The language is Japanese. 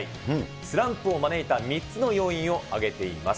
スランプを招いた３つの要因を挙げています。